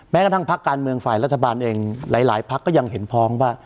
กระทั่งพักการเมืองฝ่ายรัฐบาลเองหลายพักก็ยังเห็นพ้องว่า